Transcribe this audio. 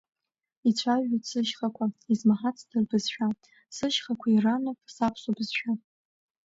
Ицәажәоит сышьхақәа, измаҳацда рбызшәа, сышьхақәа ирануп саԥсуа бызшәа!